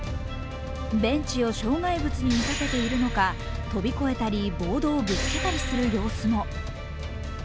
ベンチを障害物に見立てているのか飛び越えたり、ボードをぶつけたりする様子も。